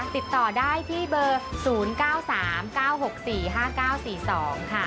ติดต่อได้ที่เบอร์๐๙๓๙๖๔๕๙๔๒ค่ะ